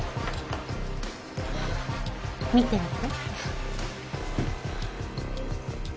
見てみて。